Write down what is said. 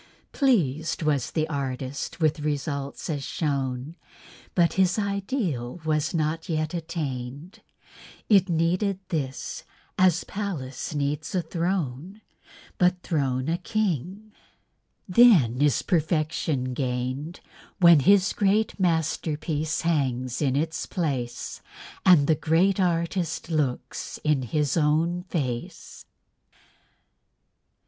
Pleased was the artist with results as shown; But his ideal was not as yet attained; It needed this, as palace needs a throne, But throne a king then is perfection gained, When his great masterpiece hangs in its place, And the great artist looks in his own face.